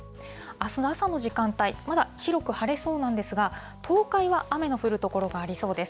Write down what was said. あすの朝の時間帯、まだ広く晴れそうなんですが、東海は雨の降る所がありそうです。